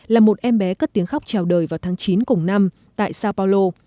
là một em bé cất tiếng khóc chào đời vào tháng chín cùng năm tại sao paulo